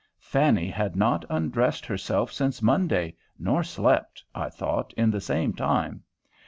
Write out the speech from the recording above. Fanny had not undressed herself since Monday, nor slept, I thought, in the same time.